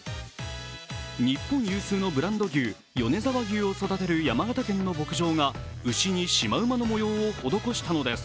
日本有数のブランド牛・米沢牛を育てる山形県の牧場が牛にシマウマの模様を施したのです。